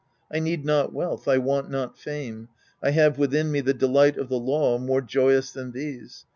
I need not wealth, I want not fame ; I have within me the delight of the law more joyous than these.